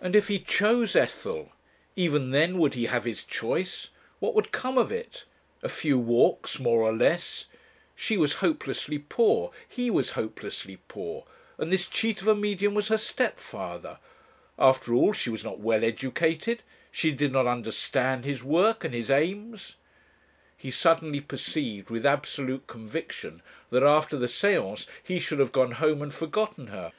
And if he chose Ethel, even then, would he have his choice? What would come of it? A few walks more or less! She was hopelessly poor, he was hopelessly poor, and this cheat of a Medium was her stepfather! After all she was not well educated, she did not understand his work and his aims.... He suddenly perceived with absolute conviction that after the séance he should have gone home and forgotten her.